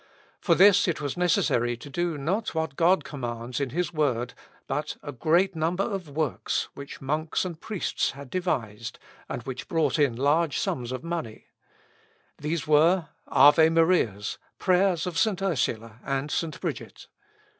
For this it was necessary to do not what God commands in his word, but a great number of works which monks and priests had devised, and which brought in large sums of money. These were, Ave Marias, prayers of St. Ursula, and St. Bridget.